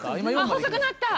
細くなった！